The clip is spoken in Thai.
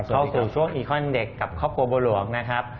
เข้าสู่ช่วงอีคอนเด็กกับครอบครัวบัวหลวงนะครับ